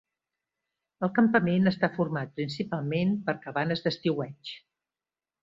El campament està format principalment per cabanes d'estiueig.